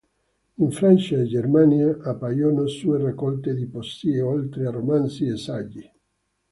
In Francia e Germania appaiono sue raccolte di poesie oltre a romanzi e saggi.